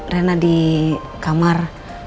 rena di kamar